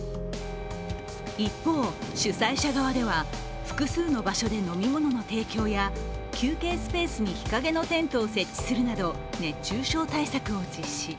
一方、主催者側では、複数の場所で飲み物の提供や休憩スペースに日陰のテントを設置するなど熱中症対策を実施。